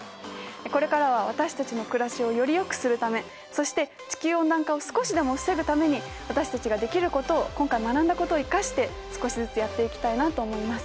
これからは私たちの暮らしをよりよくするためそして地球温暖化を少しでも防ぐために私たちができることを今回学んだことを生かして少しずつやっていきたいなと思います。